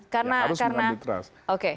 ya harus mengambil trust